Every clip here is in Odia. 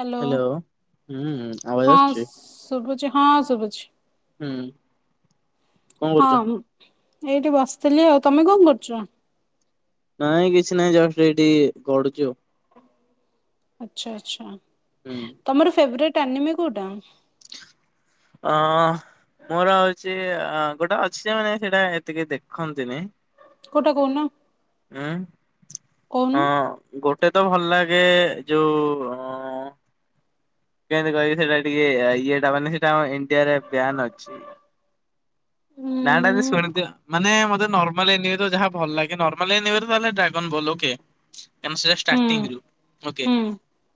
ହ୍ୟାଲୋ ହୁଁ ଆବାଜ ହଁ ଆସୁଛି ଶୁଭୁଛି। ହଁ ଶୁଭୁଛି ହୁଁ କଣ କରୁଛ? ହଁ ଏଇଠି ବସିଥିଲି, ଆଉ ତମେ କଣ କରୁଛ? ନାଇଁ କିଛି ନାଇଁ ଜଷ୍ଟ ଏଇଠି ଗଡୁଚି ଆଉ। ଆଛା ଆଛା ହୁଁ। [inaudible] ତମର ଫେବ୍ରେଡ଼୍ ଟାନମେ କୋଉଟା? ଅ ମୋର ହୋଉଚି ଅ ଗୋଟେ ଅଛି ଯେ ମାନେ ସେଟା ଏତେ କେହି ଦେଖନ୍ତିନି। କୋଉଟା କୋହୁନ? ହୁଁ ହଁ ଗୋ ଗୋଟେ ତ ଭଲ ଲାଗେ ଯୋଉ ଅ [inaudible] କେମତି କହିବି ସେଇଟା ଟିକେ ଇଏଟା ମାନେ ସେଟା ଇଣ୍ଡିଆରେ ବ୍ୟାନ ଅଛି। ଉଁ ନା ଟା ବି ଶୁଣି ଥିବେ ମାନେ ମତ ନର୍ମାଲ ଏନିବେ ଯାହା ଭଲ ଲାଗେ ନର୍ମାଲନ ଏନିବେ ହେଲେ ଡ୍ରାଗନ୍ ଭଲ ଓକେ। ମାମ୍ ସେଟା ହୁଁ ଷ୍ଟାର୍ଟିଙ୍ଗ ରୁ ଓକେ ହୁଁ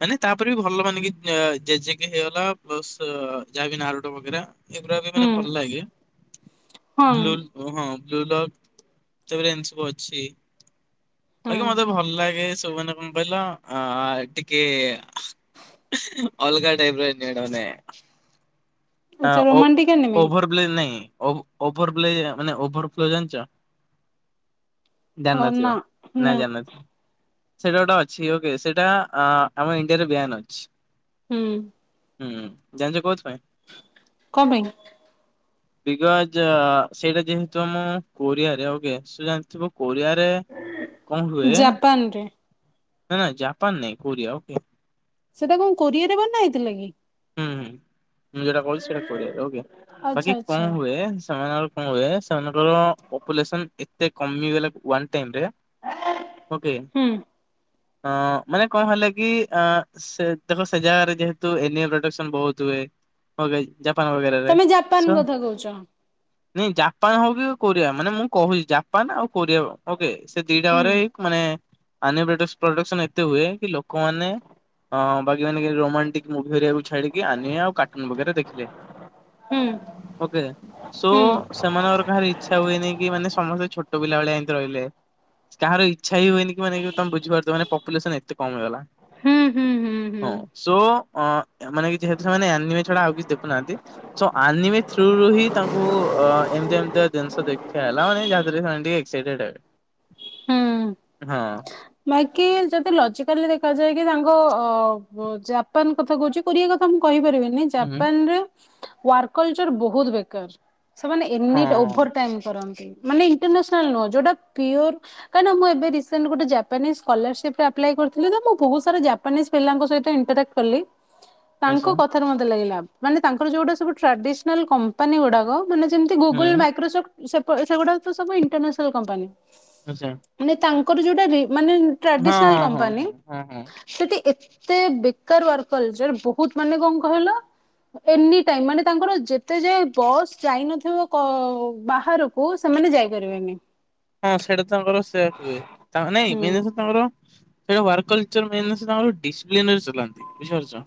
ମାନେ ତାପରେ ବି ଭଲ ମାନେ କି ଜେଜେକେ ହେଇଗଲା ପ୍ଲସ୍ ଯାହାବି ନାରଟ ପକେଇରା। ଏଗୁଡା ବି ମାନେ ହୁଁ। ଭଲ ଲାଗେ। ହଁ [unintelligible] ହଁ ବ୍ଲ ଲକ୍ ତବେରେ ଏନ୍ ସବୁ ଅଛି। ବାକି ହଁ ମତେ ଭଲ ଲାଗେ ତମେ ମାନେ କଣ କହିଲ ଆ ଟିକେ ଅଲଗା ଟାଇପ୍ ର ଏନଜୟ ମେଣ୍ଟ ଅ ଆଚ୍ଛା ଓ ରୋମାଣ୍ଟିକ ଆନିମି ଓଭର ବ୍ଲେ ନାହିଁ। [unintelligible] ଓଭର୍ ପ୍ଲେ ମାନେ ଓଭର ପ୍ଲେ ଜଣିଚ। କରନା ନା। ସେଇଟା ଗୋଟା ଅଛି ଓକେ, ସେଇଟା ଆମ ଇଣ୍ଡିଆରେ ବିୟାନ ଅଛି। ହୁଁ ହୁଁ ଜାଣିଛ କୋହୁଥିପାଇଁ? କଣ ପାଇଁ? ବିଗଜ [unintelligible] ସେଇଟା ଯେହେତୁ ଆମ କୋରିଆରେ [unintelligible] ଜାଣିଥିବ। କୋରିଆରେ କଣ ହୁଏ। ଜାପାନରେ ନା ନା ଜାପାନ ନାଇଁ କୋରିଆ ଓକେ। ସେଟା କଣ କୋରିଆରେ ବନା ହେଇଥିଲା କି- ହୁଁ ହୁଁ। ମୁଁ ଯୋଉଟା କହୁଚି, ସେଇଟା କରିବା ଓକେ ଆଚ୍ଛା ବାକି କଣ ଆଚ୍ଛା ହୁଏ ସେମାନେ କଣ ହୁଏ ସେମାନଙ୍କର ପପୁଲେସନ୍ ଏତେ କମିଗଲା ୱାନ୍ ଟାଇମ ରେ ଓକେ। ହୁଁ ଅଁ ମାନେ କଣ ହେଲା କି ଅ ସେ ଦେଖ ସେ ଜାଗାରେ ଯେହେତୁ ଏନବ୍ଲ ଇମଫେକ୍ସନ ବହୁତ୍ ହୁଏ [unintelligible] ତମେ ଜାପାନ୍ କଥା କହୁଚ। ହୁଁ ଜାପାନ୍ ହଉ କି କୋରିଆ ମାନେ ମୁଁ କହୁଛି ଜାପାନ୍ ଆଉ କୋରିଆ ରେ ସେ ଦିଟା ହୁଁ ଘରେ ମାନେ- ଆନିବେଟେସ୍ ପ୍ରଡ଼କ୍ସନ ଏତେ ହୁଏ କି ଲୋକମାନେ ଅ ବାକି ମାନେ ରୋମାଣ୍ଟିକ ମୁଭିରେ ଛାଡି଼କି, ଆନିଆ ଆଉ କାର୍ଟୁନ୍ ବଗେରା ଦେଖିଲେ। ହୁଁ ଓକେ। ସୋ ହୁଁ। ସେମାନଙ୍କର କାହାରି ଇଚ୍ଛା ହୁଏନେଇଁ କି ମାନେ ସମସ୍ତେ ଛୋଟ ଛୋଟ ପିଲା ଭଳିଆ ଏମତି ରହିଲେ, କାହାର ଇ ଚ୍ଛା ହି ହୁଏନି କି ମାନେ କି ତମେ ବୁଝପାରୁଥିବ ମାନେ ପପ୍ ପପୁଲେସନ୍ ଏତେ କମ୍ ହେଇଗଲା। ହୁଁ ହୁଁ ହୁଁ ହୁଁ ହଁ। ସୋ ଅଁ ତାମାନେ କିଛି ହେତ୍ ସମୟ ନାହିଁ, ଆନିମା ଛଡ଼ା ଆଉ କିଛି ଦେଖୁନାହାଁନ୍ତି। ସୋ ଆନିମି ଥ୍ରୋରୁ ହିଁ ତାଙ୍କୁ ଏମତିଆ ଏମତିଆ ଜିନିଷ ଦେଖି ଇଚ୍ଛା ହେଲା, ମାନେ ଯାହାଦ୍ୱାରା ସେମାନେ ଟିକେ ସେଇଟା ହୁଁ। [unintelligible] ହଁ। ବାକି ଯଦି ଲଜିକାଲି ଦେଖାଯାଏ କି, ତାଙ୍କ ଅ-ଅ ପ ଜାପାନ କଥା କହୁଛି, କୋରିଆ କଥା ମୁଁ କହିପାରିବି ବିନି, ହୁଁ ଜାପାନରେ ୱାର୍କଲଚର୍ ବହୁତ୍ ବେକାର। ସେମାନେ ଏନିଟ୍ ହଁ ଓଭର ଟାଇମ୍ କରନ୍ତି। ମାନେ ଇଣ୍ଟରନେସନାଲ ନୁହଁ, ଯୋଉଟା ପିଓର। କାରଣ ମୁଁ ଏବେ ରିସେଣ୍ଟ୍ ଗୋଟେ ଜାପ୍ ଜାପାନରେ ସ୍କଲାରସିପଟା ଆପ୍ଲାଏ କରିଥିଲି ତ, ମୁଁ ବହୁତ ସାରା ଜାପାନିଜ୍ ପିଲାଙ୍କ ସହିତ ଇଣ୍ଟରାକ୍ଟ କଲି ଆଛା ତାଙ୍କ କଥାରୁ ମତେ ଲାଗିଲା ମାନେ ତାଙ୍କର ଯୋଉଟା ସବୁ ଟ୍ରାଡି଼ସନାଲ୍ କମ୍ପାନୀ ଗୁଡ଼ାକ ମାନେ ଯେମିତି ଗୁଗଲ୍ ହୁଁ ମାଇକ୍ରୋସଫ୍ଟ୍ ସେପ ସେ ସେଗୁଡ଼ାକ ତ ସବୁ ଇଣ୍ଟରନ୍ୟାସନାଲ୍ କମ୍ପାନୀ। ଆଚ୍ଛା। ଙ୍କର ଯୋଉଟା ରି ମାନେ ଟ୍ରାଡିସନାଲ କମ୍ପାନୀ ହଁ। ହଁ ହଁ ସେଠି ଏତ ଏତେ ବେକାର ୱାର୍କଲଚର ବହୁତ ମାନେ କଣ କହିଲ ଏନି ଟାଇମ୍ ମାନେ ତାଙ୍କର ଯେତେ ଯାଏ ବସ୍ ଯାଇନଥିବ କ ବାହାରକୁ ସେମାନେ ଯାଇପାରିବେନି। ହଁ ସେଇଟା ତାଙ୍କର ସେୟା ହୁଏ ତା ନାଇଁ ହୁଁ ମେନ୍ ସେ ତାଙ୍କର ସେ ୱାର୍କ କଲ୍ଚର ମେନ୍ସ ତାଙ୍କର ଡିସ୍ପଲିନ ସେରା ବୁଝିପାରୁଛ୍।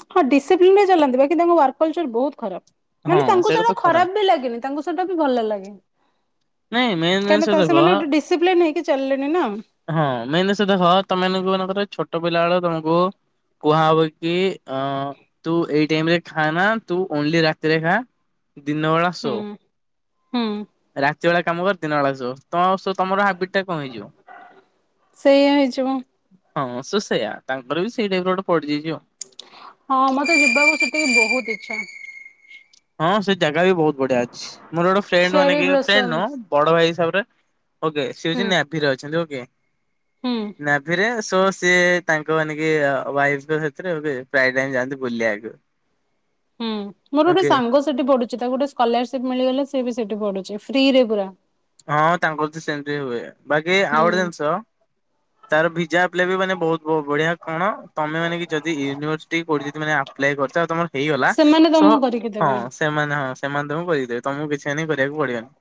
ପିନ୍ର ରେ ଚାଲନ୍ତୁ। ବାକି କିନ୍ତୁ ତାଙ୍କ ୱାର୍କ କଲଚର ବହୁତ ଖରାପ। ମାନେ ତାଙ୍କୁ ସେଇଟା ଖରାପ ବି ଲାଗେନି। ତାଙ୍କୁ ସେଟା ବି ଭଲ ଲାଗେ। ନାଇଁ ମେନ୍ କାହିଁକିନା ଜିନିଷ ତା ଦେଖ। ସେମାନେ ଗୋଟେ ଡିସିପ୍ଲିନ ହେଇକି ଚାଲିଲେଣି ନା ହୁଁ ହଁ ମେନ୍ ଜିନିଷ ଦେଖ। ତମମାନଙ୍କୁ ମାନଙ୍କର ଛୋଟ ପିଲା ବେଳ ତମକୁ କୁହା ହବ କି ଅଁ ତୁ ଏଇ ଟାଇମ୍ରେ ଖା ନା। ତୁ ଓନ୍ଲି ରାତିରେ ଖା। ଦିନବେଳା ଶୋ ହୁଁ ରା ରାତିବେଳା କାମ କର ଦିନବେଳା ଶୋ। କଣହବସ ତମର ହାବିଟ ଟା କଣ କମିଯିବ। ସେଇଆ ହେଇଯିବ ହଁ ସୁସେୟା ତାଙ୍କର ବି ସେଇଟାଇପରେ ଗୋଟେ ପଡିଯାଇଚି। ହଁ ମତେ ଯିବାକୁ ସେଠିକି ବହୁତ ଇଛା। ହଁ ସେଇ ଯା ଗାବି ବହୁତ ବଢିଆ ଅଛି। ମୋର ଗୋଟେ ଫ୍ରେଣ୍ଡ ମାନେ ଚେରି ଫ୍ରେଣ୍ଡ ବ୍ଲୋସମ ନୁହଁ ବଡ ଭାଇ ହିସାବରେ ହବେ। ଓକେ ସିଏ ହଉଛି ହୁଁ ନାଭିରେ ଅଛନ୍ତି। ଓ ଆଜ୍ଞା। ହୁଁ ନା ଫେରିବନା ତ ସିଏ ତାଙ୍କ ମାନେକ ୱାଇଫ୍ତ ତ ପ୍ରାୟ ଟାଇ ଯାଆନ୍ତି। ବୁଲିବାକୁ। ହୁଁ ମୋର ଗୋଟେ ଓକେ ସାଙ୍ଗ ସେ ସେଠି ପଢୁଛି। ତାକୁ ଗୋଟେ ସ୍କଲାରସିପ ମିଳିଗଲେ ସେ ବି ସେଠି ପଢୁଛି ଫ୍ରି ରେ ପୁରା। ହଁ ତାଙ୍କର ତ ସେମିତି ହୁଏ ବାକି ଆଉ ହୁଁ ଗୋଟେ ଜିନିଷ। ତାର ଭିଜାଗ୍ ପିଲେ ବି ମାନେ ବହୁତ୍। ବଢିଆ କଣ ତମେ ମାନେ କି ଯଦି ୟୁନିଭର୍ସିଟି କୋଠି ଯଦି ମାନେ ଆପ୍ଲାଏ କରିଛ ଆଉ ତମର ହେଇଗଲା। ସେମାନେ ସ ତ ତମକୁ କରିକି ଦେବେ। ହଁ ସେମାନେ ହଁ ସେମାନେ ତମକୁ କରିକିଦେବେ। ତମକୁ କିଛି ଏନେ କରିବାକୁ ପଡିବନି।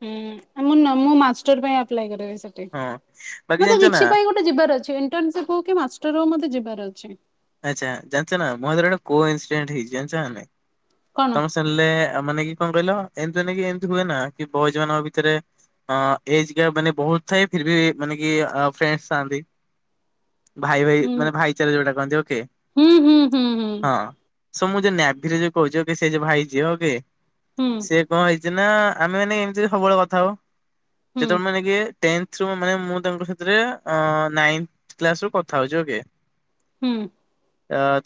ହୁଁ ମୁଁ ମୁଁ ନା ମାଷ୍ଟର ପାଇଁ ଆପ୍ଲାଇ କରିବି। ହଁ ବାକି ମତେ ଜାଣିଛ ନା କିଛି ପାଇଁ ଗୋଟେ ଯିବାର ଅଛି। ଇଣ୍ଟନ୍ସିପ୍ ହଉ କି ମାଷ୍ଟର ହଉ ମତେ ଯିବାର ଅଛି। ଅ। ଆଚ୍ଛା ଜାଣିଛ ନା। ମୋ ହାତରେ ଗୋଟେ ବୋ ଇନ୍ଡେଣ୍ଟ ହେଇଛି ଜାଣିଛନା ନାହିଁ। କଣ ତମେ ସେଣିଲେ ମାନେ କି କଣ କହିଲ। ଏମତିକ ଏମତି ହୁଏ ନା କି ବୟଜ୍ ମାନଙ୍କ ଭିତରେ ଏଜ ମାନେ ବହୁତ ଥାଏ ଫ ବି ମାନେ କି ଫ୍ରେଣ୍ଡ ଥାଆନ୍ତି ଭାଇ ଭାଇ ଉଁ ମାନେ ଭାଇଚାର ଯୋଉଟା କହନ୍ତି ଓକେ ହୁଁ ହୁଁ ହୁଁ ହୁଁ ହଁ ସ ମୁଁ ଯୋ [unintelligible] ବ୍ିରେ ଯୋ କହୁଛଛି ସେ ଯେ ଭାଇ ଝିହ କି ହୁଁ ସେ କଣ ହେଇଛି ନା ଆମେ ମାନେ ଏମିତି ସବୁବେଳେ କଥା ହଉ ହୁଁ ଯେତେବେଳେ ମାନେ କିଏ ଟେନ୍ଥ୍ ରୁ ମାନେ ମୁଁ ତାଙ୍କ ସାଥିରେ ନାଇନ୍ଥ୍ କ୍ଲାସ୍‌ରୁ କଥା ହେଉଚି ଓକେ। ହୁଁ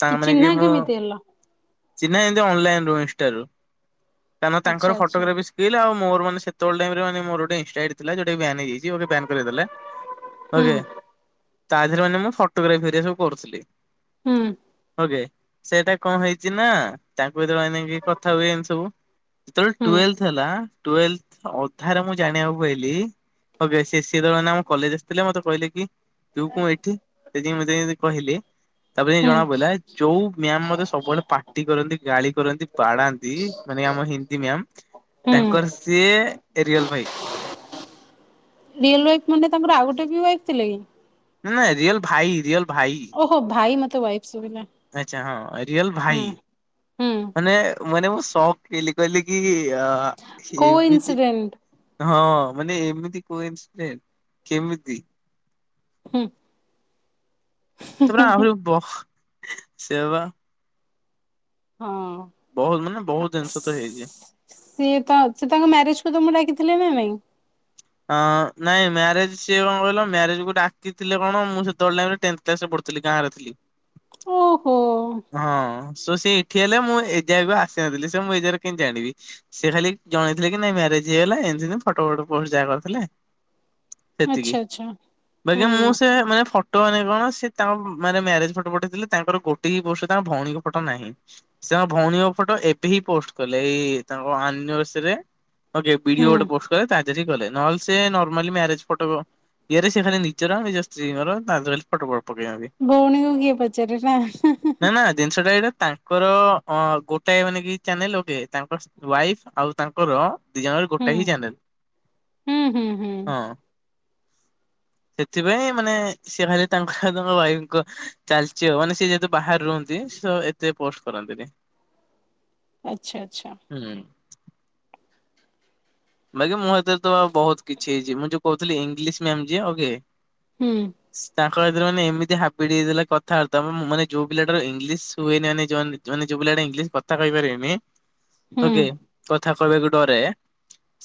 ତାଙ୍କ କି ମାନେ ଚିହ୍ନା ମୁଁ କେମିତି ହେଲା? ଚିହ୍ନା ଏମିତି ଅନଲାଇନ୍ ନ ଇନଷ୍ଟା ରୁ କାରଣ ଆଚ୍ଛା ତାଙ୍କର ଆଚ୍ଛା ଫଟୋଗ୍ରାଫି ସ୍କିଲ୍ ଆଉ ମୋର ମାନେ ସେତେବେଳ ଟାଇମ୍ ରେ ମାନେ ମୋର ଗୋଟେ ଇନ୍‌ଷ୍ଟା ଆଇଡି ଥିଲା ଯୋଉଟାକି ବ୍ୟାନ ହେଇଯାଇଚି ଓକେ ବ୍ୟାନ କରେଇ ଦେଲେ ହୁଁ ଓକେ। ତା ଦେହରେ ମାନେ ମୁଁ ଫଟୋଗ୍ରାଫିରେ ସବୁ କରୁଥିଲି। ହୁଁ। ଓକେ ସେଇଟା କଣ ହେଇଚି ନା ତା ମୁଁ ଯୋଉ ଦୈନିକି କଥା ହୁଏ ଏନ୍ତି ସବୁ ଯେତେବେଳେ ହୁଁ। ଟ୍ୱେଲ୍ଥ୍ ହେଲା ଟ୍ୱେଲ୍ଥ୍ ଅଧାରେ ମୁଁ ଜାଣିବାକୁ ପାଇଲି ଓକେ ସେ ସେ ଦଳ ମାନେ ଆମ କଲେଜ ଆସିଥିଲେ ମତେ କହିଲେ କି ତୁ କଣ ଏଠି ସେ ଯେମିତି ମୋତେ ଏମିତି କହିଲେ ତାପରେ ଯାଇଁ ହୁଁ ଜଣା ପଡିଲା ଯୋଉ ମ୍ୟାମ୍ ମୋତେ ସବୁବେଳେ ପାଟି କରନ୍ତି ଗାଳି କରନ୍ତି ବାଡାନ୍ତି ମାନେ ଆମ ହିନ୍ଦୀ ମ୍ୟାାମ ହୁଁ ତାଙ୍କର ସିଏ ରିଏଲ ଭାଇ ଥିଲେକି? ନା ନା ରିଅଲ ଭାଇ ରିଅଲ ଭାଇ ଓହୋ ଭାଇ ମତେ ତ ୱାଇଫ ଶୁଭିଲା। ଆଚ୍ଛା ହଁ ରିୟଲ ହୁଁ ଭାଇ ହୁଁ ମାନେ ମାନେ ମୁଁ ଶକ୍ ହେଲିି କହିଲି କି ଆ କୋ ସିଏ ଏମିତି ଇନସିଡେଣ୍ଟ ହଁ। ମାନେ ଏମିତି କୋଇନ୍ସିଡେଣ୍ଟ୍, କେମିତି? ହୁଁ। ତାପରେ ଆହୁରି ବ ସେୟା ବା ହଁ ମାନେ ଆ ବହୁତ ଜିନିଷ ତ ହେଇଛି। ସି ସିଏ ତାଙ୍କ ସିଏ ତାଙ୍କ ମ୍ୟାରେଜ କୁ ତମକୁ ଡାକିଥିଲ ନା ନାଇଁ? ଅଁ ନାଇଁ ମ୍ୟାରେଜ ସିଏ କଣ କହିଲ, ମ୍ୟାରେଜକୁ ଡାକିଥିଲେ କଣ? ମୁଁ ସେତେବେଳ ଟାଇମ୍ ରେ ଟେନ୍ଥ କ୍ଲାସରେ ପଢୁଥିଲି, ଗାଁରେ ଥିଲି। ଓହୋ ହଁ। ସୋ ସିଏ ଇଠି ହେଲେ ମୁଁ ଏ ଜାଗାକୁ ଆସି ନଥିଲି, ସୋ ମୁଁ ଏ ଜାଗାରେ କେନ୍ତି ଜାଣିବି। ସେ ଖାଲି ଜଣେଇଥିଲେ କି ନାଇଁ ମ୍ୟାରେଜ ହେଇଗଲା, ଏନ୍ତି ନୁହଁ ଫଟୋ ପଟୋ ପୋଷ୍ଟ ଯା କରିଥିଲେ ସେତିକି। ଆଚ୍ଛା ଆଚ୍ଛା ବାକି ହୁଁ ମୁଁ ସେ ମାନେ ଫଟ ଫଟୋ ମାନେ କଣ, ସିଏ ତାଙ୍କ ମାନେ ମ୍ୟାରେଜ ଫଟୋ ପଠେଇଥିଲେ ତାଙ୍କର ଗୋଟେ ହି ପୋଷ୍ଟରେ ତାଙ୍କ ଭଉଣୀଙ୍କ ଫଟୋ ନାହିଁ। ସେ ତାଙ୍କ ଭଉଣୀଙ୍କ ଫଟୋ ଏବେ ହିଁ ପୋଷ୍ଟ କଲେ, ଏଇ ତାଙ୍କ ଆନିଭର୍ଶାରିରେ ଆଉ ଯେ ବିଡିଓ ହୁଁ। ଗୋଟେ ପୋଷ୍ଟ କଲେ ତାରି ଠିକ୍ କଲେ। ନହେଲେ ସିଏ ନର୍ମାଲି ମ୍ୟାରେଜ୍ ଫଟୋ ଇଏରେ ସିଏ ଖାଲି ନିଜର ଆଉ ନିଜ ସ୍ତ୍ରୀଙ୍କର ତାଦେହରେ ଖାଲି ଫଟୋ ଫଟୋ ପକେଇଥାନ୍ତି। ଭଉଣୀକୁ କିଏ ପଚାରେ ନା ନାଁ ନାଁ ଜିନଷ ସେଟା ଏଇଟା ତାଙ୍କର ଅ ଗୋଟାଏ ମାନେ କି ଚ୍ୟାନେଲ ଓକେ। ତାଙ୍କର ସ ୱାଇଫ ଆଉ ତାଙ୍କର ଦି ଜଣଙ୍କର ଗୋଟାଇ ହି ଚ୍ୟାନେଲ। ହୁଁ-ହୁଁ-ହୁଁ। ହଁ। ସେଥିପାଇଁ ମାନେ ସିଏ ଖାଲି ତାଙ୍କ ହ ତାଙ୍କ ଭାଇଙ୍କ ଚାଲଚି ଆଉ। ମାନେ ସିଏ ଯେହେତୁ ବାହାରେ ରୁହନ୍ତି, ସୋ ଏତେ ପୋଷ୍ଟ କରନ୍ତିନି। ଆଚ୍ଛା ଆଚ୍ଛା। ହୁଁ। ବାକି ମୁଁ ଏତେ ତ ଆଉ ବହୁତ କିଛି ହେଇଛି। ମୁଁ ଯୋଉ କହୁଥିଲି ଇଂଲିଶ ମ୍ୟାମ୍ ଯିଏ ଆଉ କିଏ? ହୁଁ। କହିଦେଲେ ମାନେ ଏମିତି ହାବିଡି ହେଇଗଲା କଥାବାର୍ତା ମ ମ ମାନେ ଯୋଉ ପିଲା ଟାର ଇଂଲିଶ ହୁଏନି ମାନେ ଯୋଉ ମାନେ ଯୋଉ ପିଲାଟା ଇଂଲିଶ କଥା କହି ପାରେନି ହୁଁ ଓକେ କ ଥା କହିବାକୁ ଡରେ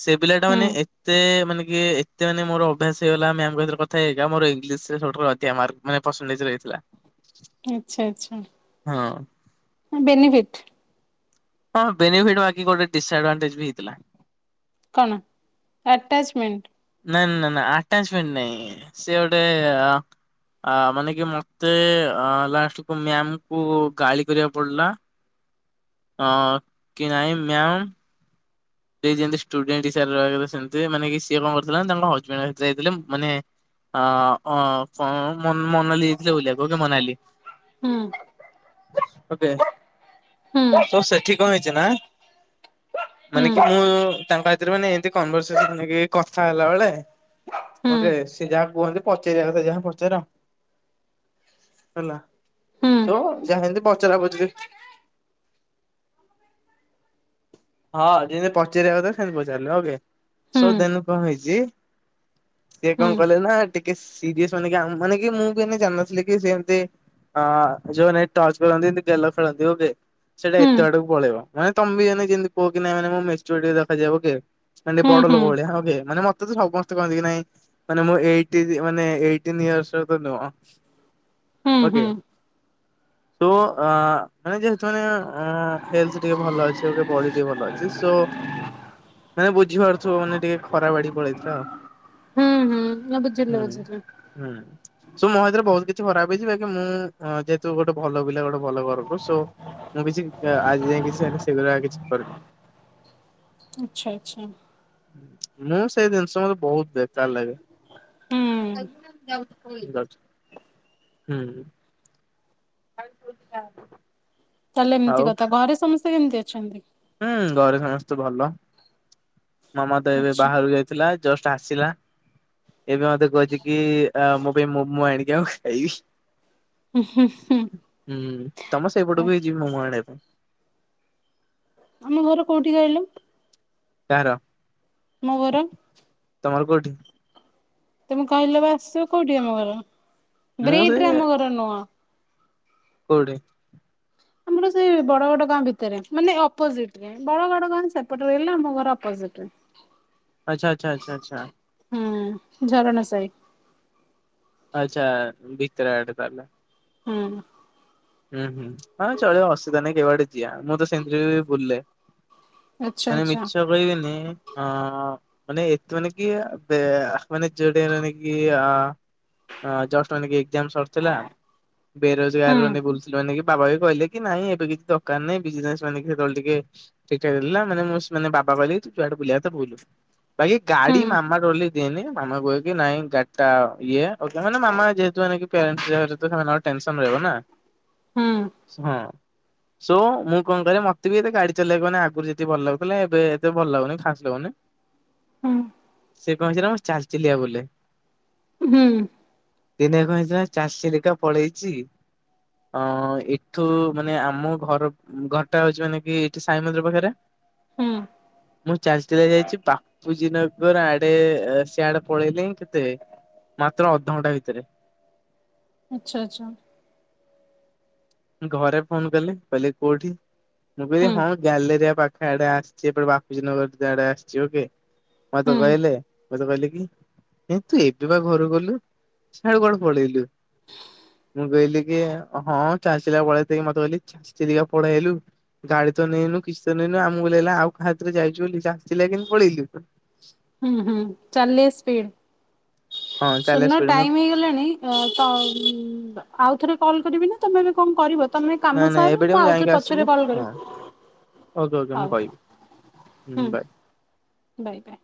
ସେ ପିଲା ଟା ହୁଁ ମାନେ ଏତେ ମାନେ କି ଏତେ ମାନେ ମୋର ଅଭ୍ୟାସ ହେଇଗଲା ମ୍ୟାମ ଙ୍କ ସାଥିରେ କଥା ହେଇ ହେଇ କା ମୋର ଇଂଲିଶ ରେ ସବୁଠୁ ଆଧିକା ମାର୍କ ମାନେ ପଡ଼ସେନ୍ଟଟେଜ ରହିଥିଲା। ଆଛା ଆଛା ହଁ। ବେନିଫିଟ ହଁ ବେନିଫିଟ ବାକି ଗୋଟେ ଡିସାଡଣ୍ଟେଜ କଣ ଆଟାଚମେଣ୍ଟ ନାଇ ନା ନାଇଁ ଆଟଚମଣ୍ଟ ନାଇଁ ସେ ଗୋଟେ ଆ ଆ ମାନେ କି ମତେ ଆ ଲାଷ୍ଟ କୁ ମ୍ୟାମ ଙ୍କୁ ଗଳି କରିବାକୁ ପଡଲା ହଁ କି ନାହିଁ ମ୍ୟାାମ ସେ ଯେମିତି ସ୍ଟୁଡେଣ୍ଟ ହିସାବରେ ରହିବା କଥା ସେମିତି ମାନେ କି ସିଏ କଣ କରିଥିଲେ ତାଙ୍କ ହଜବେଣ୍ଡସାଥିରେ ଯାଇଥିଲେ ମ ମାନେ ଅଁ ଅଁ କଣ ମନ ମନାଲି ଯାଇଥିଲେ ବୁଲିବାକୁ ହୋଉ କି ମନାଲି। ହୁଁ। ଓକେ। ହୁଁ ତ ସେଠି କଣ ହେଛି ଛି ନା ମାନେ ହୁଁ। କି ମୁଁ ତାଙ୍କ ସାଥିରେ ମାନେ ଏମିତି କନଭରସେସନ ହେ କଥା ହେଲା ବେଳେ ହୁଁ ଓକେ ସେ ଯାହା କୁହନ୍ତି ପଚାରିବା କଥା ଯାହା ପଚାର ହେଲା ହୁଁ ସୋ ଯାହା ଯେମିତି ପଚରା ପଚିରି ହଁ ଯେମିତି ପଚାରିବା କଥା ସେମତି ପଚାରିଲେ ଓକେ ହୁଁ ସୋ ହୁଁ ଦେନ କଣ ହେଇଚି ସିଏ କଣ କଲେ ନା ଟିକେ ସିରିୟସ୍ ମାନେ ମାନେ କି ମୁଁ ବି ଜାନଥିଲି କି ସେମିତି ଅ ଯୋଉ ମାନେ ଟର୍ଚ କରନ୍ତି ଏମତି ଗେଲ ଖେଳନ୍ତି ଓକେ। ସେଇଟା ହୁଁ ଏତେ ଆଡକୁ ପଳେଇବ। ମାନେ ତମ ବି ଜାଣିନ ଯେମିତି କୁହ କି ନାଇଁ ମାନେ ମୋ ମାଚିରୁଟୀ ଦେଖା ଯାଏ ଓକେ। ମାନେ ହୁଁ ବଡ଼ ହୁଁ ଲୋକ ଭଳିଆ, ହଁ ବେ ମାନେ ମୋତେ ତତେ ସମସ୍ତେ କହନ୍ତି କି ନାଇଁ ମାନେ ମୁ ଏଇଟି ମାନେ ଏଇଟିନ ଇଅରସର ତ ନୁହ। ହୁଁ ଓକେ। ହୁଁ। ତୋ ମାନେ ଯେହେତୁ ମାନେ ହେଲଥଟିକେ ଭଲ ଅଛି ଆଉ ଟିକେ ବଢି ଟିକେ ଭଲ ଅଛି ସୋ ମାନେ ବୁଝିପାରୁଥିବ ମାନେ ଟିକେ ଖରାପ ଆଡି ପଳେଇଥିଲା ଆଉ, ହଁ ହଁ ବୁଝିଲ ବୁଝିଲି ସ ମୋ ଏଥିରେ ବହୁତ କିଛି ଖରାପ ହେଇଯିବ ଆ ମୁଁ ଯେହେତୁ ଗୋଟେ ଭଲ ପିଲା ଗୋଟେ ଭଲ ଘରୁ କୁ ସୋ ମୁଁ କିଛି ଆଜି ଯାଇ କିଛି ସେଗୁରା କିଛି କରିନି, ଆଚ୍ଛା ଆଚ୍ଛା, ମୁଁ ସେଇ ଜିନିଷ ବହୁତ ବେକାର ଲାଗେ, ହୁଁ ହୁଁ ଟା [unintelligible] ତାହେଲେ ଏମିତି କଥା ଘରେ ସମସ୍ତେ କେମିତି ଅଛନ୍ତି? ହୁଁ ଘରେ ସମସ୍ତେ ଭଲ। ମାମା ତ ଏବେ ଆଚ୍ଛା ବାହାରୁ ଯାଇଥିଲା ଜଷ୍ଟ ଆସିଲା, ଏବେ ମତେ କହିଛି କି ମୋ ପାଇଁ ମୋମୋ ଆଣି ଉ ଖାଇଇ ବି ହୁଁ ତମ ଆ ସେଇପଟକୁ ଯିବ ମୋ ମୋ ଆଣିବାକୁ, ଆମ ଘର କୋଉଠି କହିଲେ? କହାର? ମୋର ତମର କୋଉଠି? ତମେ କହିଲ ବା ଆସିବ କୋଉଠି ଆମ ଘର? ମୁଁ ସେ ବ୍ରିଦରେ ଆମ ଘର ନୁହଁ, କୋଉଠି? ଆମର ସେଇ ବଡ ବଡ ଗାଁ ଭିତରେ ମାନେ ଅପୋଜିଟ ରେ ବଡ ଗଡ ଗାଁ ସେପଟ ରହିଲା ଆମ ଘର ଅପୋଜିଟରେ, ଆଛା ଆଛା ଆଛା ଆଛା। ହୁଁ ଝରଣା ସାଇଡ୍, ଆଚ୍ଛା ଭିତରେ ଆଡେ ତାହାଲେ, ହୁଁ। ହୁଁ ହୁଁ ହଁ ଚଳିବ ଅସୁବିଧା ନାଇଁ କେଉଆଡେ ମୁଁ ତ ସେମତିରେ ବୁଲେ, ଆଚ୍ଛା ମାନେ ଆଚ୍ଛା ମିଛ କହିବେନି ଅ ମାନେ ଏତ ମାନେ କି ମାନେ ଯୋଉଟା ମାନେକି ଅ ଜଷ୍ଟ ଏଣିକି ଏଜ୍ଜାମ ସରିଥିଲା ହୁଁ। ବେରୋଜଗାର ହେଇକି ବୁଲ୍ ଏଣିକି ବାବା ବି କହିଲେ କି ନାଇଁ ଏବେ କିଛି ଦରକାର ନାହିଁ ବିଜନେସ ମାନେ ସେତେବେଳେ ଟିକେ ଠିକ ଠାକ୍ ହେଲା ମାନେ ମୁଁ ମାନେ ବାବା କହିଲି ତୁ ଯୁଆଡେ ବୁଲିବା କଥା ବୁଲ ବାକି ହୁଁ ଗାଡି ମାମା ଡରିଲେ ଦିଏନି ମାମା କୁହେ କି ନାଇଁ ଗାଡି ଟା ଇଏ ମାନେ ମାମା ଯେହେତୁ ମାନେ କି ପ୍ୟାରେଣ୍ଟସ ଯେହେତୁ ସେମାନଙ୍କର ଟେନ୍ସନ ରହିବ ନା ହୁଁ ହଁ। ସୋ ମୁଁ କଣ କରେ ମତେ ବି ଏତେ ଗାଡି ଚଲେଇବାକୁ ମାନେ ଆଗରୁ ଯେତିକି ଭଲ ଲାଗୁଥିଲା ଏବେ ହେତେ ଭଲ ଲାଗୁନି ଖାସ୍ ଲାଗୁନି ହୁଁ ସେ କଣ ହେଇଚି ନା ମୁଁ ଚାଲି ଚାଲିକା ବୁଲେ ହୁଁ ଦିନେ କଣ ହେଇଚି ନା ଚାଲି ଚାଲିକା ପଳେଇଛି ଅ ଏଠୁ ମାନେ ଆମ ଘର କୁ ଘରଟା ହଉଛି ମାନେ କି ସାଇ ମନ୍ଦିର ପାଖରେ। ହୁଁ। ମୁଁ ଚାଲି ଚାଲି ଯାଇଛି ବାପୁଜୀ ନଗର ଆଡେ ସିଆଡେ ପଳେଇଲେଇଁ କେତେ ମାତ୍ର ଅଧଘଣ୍ଟା ଭିତରେ। ଆଛା ଆଚ୍ଛା। ଘରେ ଫୋନ କଲି କହିଲେ କୋଉଠି ମୁଁ କହିଲି ହୁଁ ହଁ ଗ୍ୟା ଲେରିଆ ପାଖ ଆଡେ ଆସିଛି ଏପଟେ ବାପୁଜୀ ନଗର ଆଡେ ଆସିଛି ଓକେ ମତେ ହୁଁ। କହିଲେ ମତେ କହିଲେ କି ତୁ ଏବେ ବା ଘରୁ ଗଲୁ ସିଆଡେ କୁଆଡେ ପଳେଇଲୁ ମୁଁ କହିଲି କି ହଁ ଚାଲି ଚାଲିକା ପଳେଇକି ମତେ କହିଲେ ଚାଲି ଚାଲି କା ପଳେଇ ଆଇଲୁ ଗାଡି ତ ନେଇନୁ କିଛି ତ ନେଇନୁ ଆମକୁ ଲାଗିଲା ଆଉ କାହା ସାଥୀ ରେ ଯାଇଛୁ ବୋଲି ଚାଲି ଚାଲିକା କେମିତି ପଳେଇଲୁ। ହୁଁ ହୁଁ ଚାଲିଆ ସ୍ପିଡ଼। ହଁ ଚାଲ ଶୁଣୁନ ସ୍ପିଡ ମୁଁ ଟାଇମ ହେଇଗଲାଣି ତ ଆଉଥରେ କଲ୍ କରିବି ନା ତମେ ଏବେ କଣ କରିବ? ତମେ ନାଇଁ କାମ ନାଇଁ ସାର ଏବେ ଟିକେ ମୁଁ ଯାଇଁକି ଆଉଥରେ ଆସିଲେ ପଛରେ କଲ୍ ହଁ କରିବି ଓକେ ଓକେ ମୁଁ ହଉ ହଉ କହିବି ହୁଁ ବାଏ। Bye bye.